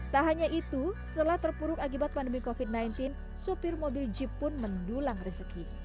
tak hanya itu setelah terpuruk akibat pandemi covid sembilan belas sopir mobil jeep pun mendulang rezeki